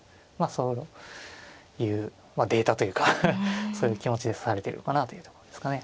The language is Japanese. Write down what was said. そういうデータというかそういう気持ちで指されているのかなというところですかね。